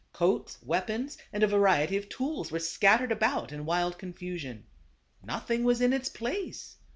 Coats, weapons, and a variety of tools, were scattered about in wild confusion. Nothing was in its place.